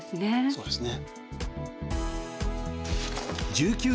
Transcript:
そうですね。